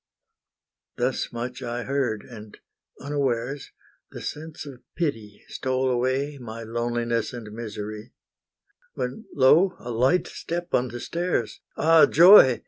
Thus much I heard, and unawares, The sense of pity stole away My loneliness and misery, When lo, a light step on the stairs! Ah joy!